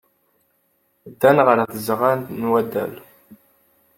Ddan ɣer tzeɣɣa n waddal.